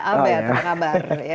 albert apa kabar